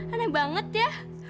aneh banget ya